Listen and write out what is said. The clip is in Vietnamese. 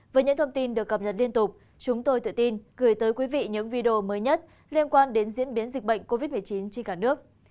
với những thông tin được cập nhật liên tục chúng tôi tự tin gửi tới quý vị những video mới nhất liên quan đến diễn biến dịch bệnh covid một mươi chín trên cả nước